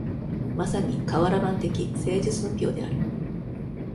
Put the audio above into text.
まさに、かわら版的政治寸評である。